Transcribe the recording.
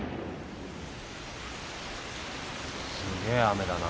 すげえ雨だな。